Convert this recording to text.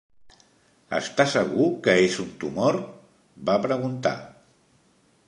"Està segur que és un tumor? va preguntar.